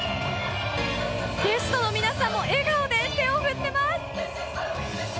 ゲストの皆さんも笑顔で手を振っています。